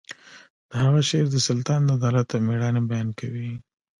د هغه شعر د سلطان د عدالت او میړانې بیان کوي